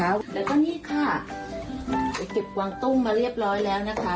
แล้วก็นี่ค่ะไปเก็บกวางตุ้งมาเรียบร้อยแล้วนะคะ